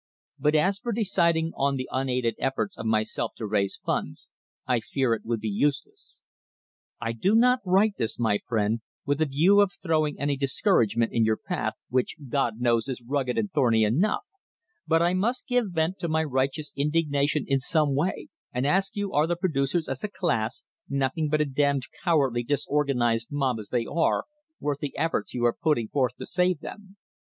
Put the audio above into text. But as for depending on the unaided efforts of myself to raise funds, I fear it would be useless. I do not write this, my friend, with a view of throwing any discouragement in your path, which, God knows, is rugged and thorny enough, but I must give vent to my righteous indignation in some way, and ask you are the producers as a class (nothing but a d d cowardly, disorganised mob as they are) worth the efforts you are putting forth to save them